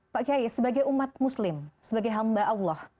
pak kiai sebagai umat muslim sebagai hamba allah